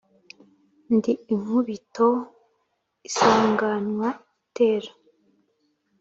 ndi inkubito isanganwa igitero,